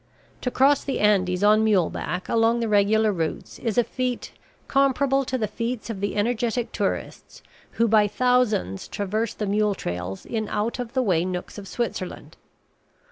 To cross the Andes on mule back along the regular routes is a feat comparable to the feats of the energetic tourists who by thousands traverse the mule trails in out of the way nooks of Switzerland.